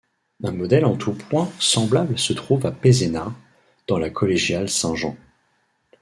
Un modèle en tout point semblable se trouve à Pézenas, dans la collégiale Saint-Jean.